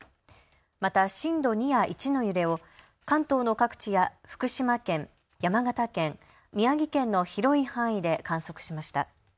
また震度２や１の揺れを関東の各地や福島県、山形県、宮城県の広い範囲で観測しました。